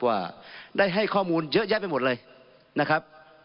ว่าได้ให้ข้อมูลเยอะแยะไปหมดเลยนะครับ